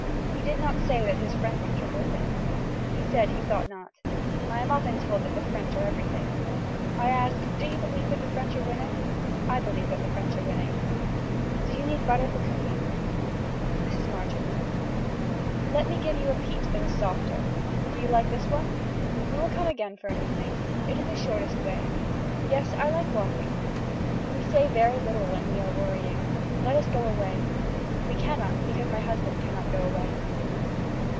He did not say that his friend would come with him. He said he thought not. I am often told that the french are everything. I ask do you believe that the french are winning. I believe that the french are winning. Do you need butter for cooking. (Mrs. Marchand.) Let me give you a peach that is softer. Do you like this one. We will come again for an evening. This is the shortest way. Yes I like walking. We say very little when we are worrying. Let us go away. We cannot because my husband cannot go away.